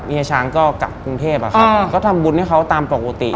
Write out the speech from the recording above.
เฮีช้างก็กลับกรุงเทพอะครับก็ทำบุญให้เขาตามปกติ